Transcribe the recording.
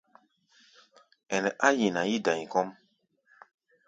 Ɛnɛ á nyina yí-da̧i kɔ́ʼm.